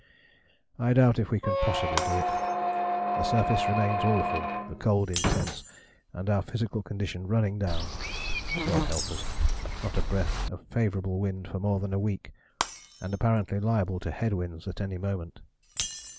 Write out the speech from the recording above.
I doubt if we can possibly do it. The surface remains awful, the cold intense, and our physical condition running down. God help us! Not a breath of favourable wind for more than a week, and apparently liable to head winds at any moment."